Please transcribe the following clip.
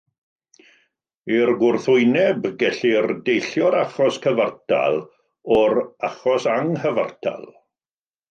I'r gwrthwyneb, gellir deillio'r achos cyfartal o'r achos anghyfartal.